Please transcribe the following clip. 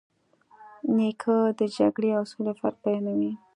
نیکه د جګړې او سولې فرق بیانوي.